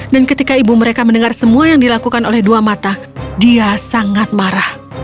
dan ketika ibu mereka mendengar semua yang dilakukan oleh dua mata dia sangat marah